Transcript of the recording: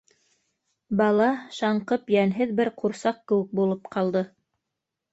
Бала шаңҡып, йәнһеҙ бер ҡурсаҡ кеүек булып ҡалды.